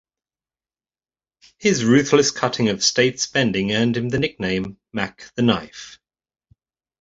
His ruthless cutting of state spending earned him the nickname "Mack the Knife".